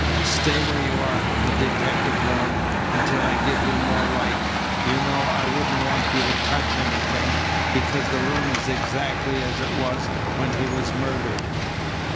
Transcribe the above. "Stay where you are," the detective warned, "until I give you more light. You know, I wouldn't want you to touch anything, because the room is exactly as it was when he was murdered!"